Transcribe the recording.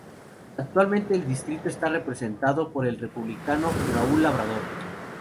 Actualmente el distrito está representado por el Republicano Raul Labrador.